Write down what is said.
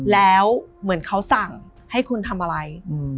แล้วเหมือนเขาสั่งให้คุณทำอะไร